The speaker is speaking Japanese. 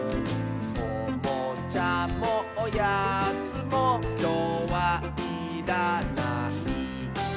「おもちゃもおやつもきょうはいらない」